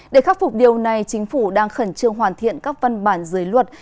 để khắc phục điều này chính phủ đang khẩn trương hoàn thiện các văn bản dưới luật